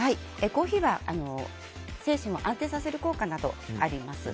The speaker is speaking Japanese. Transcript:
コーヒーは精神を安定させる効果などがあります。